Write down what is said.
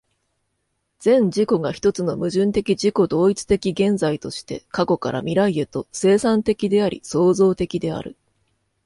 全自己が一つの矛盾的自己同一的現在として、過去から未来へと、生産的であり創造的である。